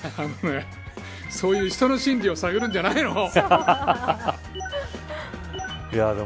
そういう人の心理を探るんじゃないよ。